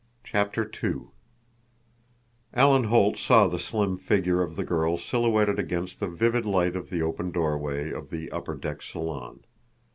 CHAPTER II Alan Holt saw the slim figure of the girl silhouetted against the vivid light of the open doorway of the upper deck salon.